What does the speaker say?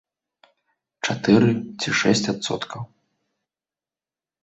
Чатыры ці шэсць адсоткаў.